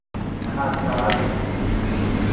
Hasta Av.